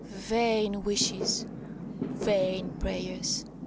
Vain wishes! vain prayers!